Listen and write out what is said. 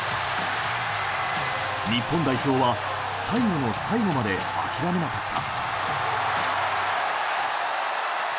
日本代表は最後の最後まで諦めなかった。